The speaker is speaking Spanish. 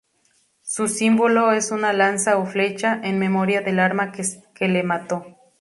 Su símbolo es una lanza o flecha, en memoria del arma que le mató.